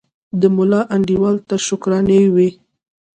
د ملا انډیوالي تر شکرانې وي